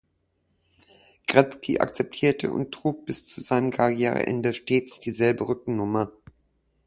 Gretzky akzeptierte und trug bis zu seinem Karriereende stets dieselbe Rückennummer.